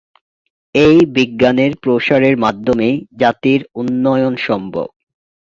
এই বিজ্ঞানের প্রসারের মাধ্যমেই জাতির উন্নয়ন সম্ভব।